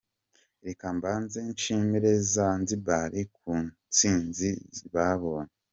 Reka mbanze nshimire Zanzibar ku ntsinzi babonye.